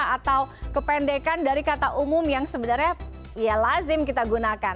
atau kependekan dari kata umum yang sebenarnya ya lazim kita gunakan